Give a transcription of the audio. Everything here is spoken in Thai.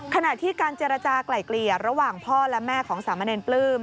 ขณะที่การเจรจากลายเกลี่ยระหว่างพ่อและแม่ของสามเณรปลื้ม